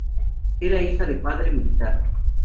Era hija de padre militar.